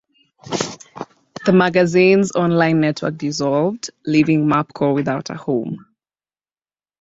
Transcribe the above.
The magazine's online network dissolved, leaving MapCore without a home.